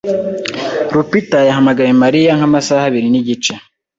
Rupita yahamagaye Mariya nkamasaha abiri nigice